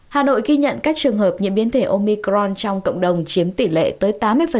hà nội ghi nhận các trường hợp nhiễm biến thể omicron trong cộng đồng chiếm tỷ lệ tới tám mươi